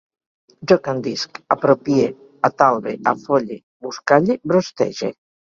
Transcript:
Jo candisc, apropie, atalbe, afolle, buscalle, brostege